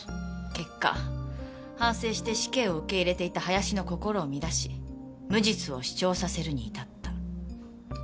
結果反省して死刑を受け入れていた林の心を乱し無実を主張させるに至った。